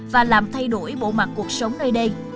và làm thay đổi bộ mặt cuộc sống nơi đây